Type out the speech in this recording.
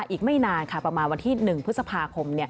อีกไม่นานค่ะประมาณวันที่๑พฤษภาคม